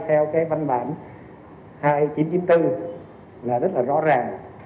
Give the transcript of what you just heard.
theo cái văn bản hai nghìn chín trăm chín mươi bốn là rất là rõ ràng